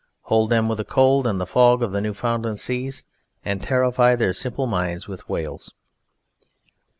Hold them with the cold and the fog of the Newfoundland seas, and terrify their simple minds with whales.